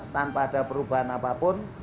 tanpa ada perubahan apapun